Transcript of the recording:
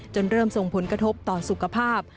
เริ่มส่งผลกระทบต่อสุขภาพ